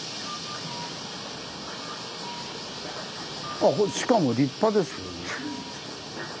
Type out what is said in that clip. あっしかも立派ですよね。